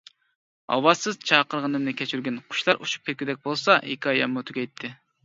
ئاۋازسىز چاقىرغىنىمنى كەچۈرگىن، قۇشلار ئۇچۇپ كەتكۈدەك بولسا، ھېكايەممۇ تۈگەيتتى.